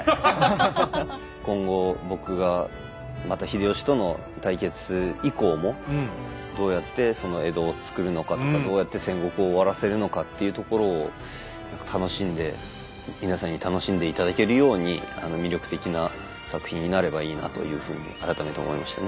今後僕がまた秀吉との対決以降もどうやってその江戸をつくるのかとかどうやって戦国を終わらせるのかっていうところを何か楽しんで皆さんに楽しんで頂けるように魅力的な作品になればいいなというふうに改めて思いましたね。